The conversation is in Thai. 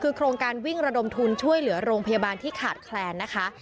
คือโครงการวิ่งระดมทุนช่วยเหลือโรงพยาบาลที่ขาดแคลนนะคะ